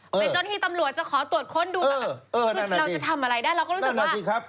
เป็นเจ้าที่ตำรวจจะขอตรวจค้นดูกันคือเราจะทำอะไรได้เราก็รู้สึกว่าเออนั่นหน่าที่ครับ